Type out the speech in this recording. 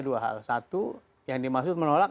dua hal satu yang dimaksud menolak